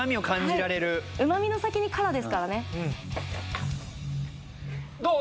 旨みの先に辛ですからねどう？